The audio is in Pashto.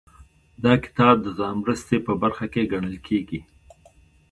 دا کتاب د ځان مرستې په برخه کې ګڼل کیږي.